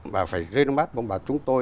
bà phải gây nông bác bà bảo chúng tôi